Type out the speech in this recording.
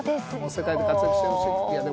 世界で活躍してほしい。